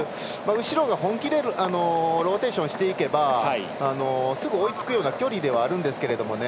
後ろが本気でローテーションしていけばすぐ追いつくような距離ではあるんですけどね。